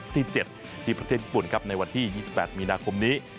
ที่๗ที่ประเทศญี่ปุ่นครับในวันที่๒๘มีนาคมนี้